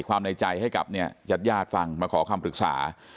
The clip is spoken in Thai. ในใจให้กับเนี่ยญาติญาติฟังมาขอคำปรึกษา